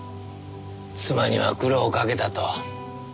妻には苦労をかけたと。